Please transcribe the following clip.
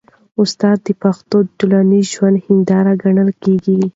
استاد د پښتنو د ټولنیز ژوند هنداره ګڼل کېږي.